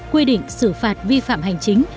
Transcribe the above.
quy định xử phạt vi phạm hành chính